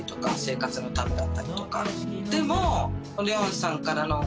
でも。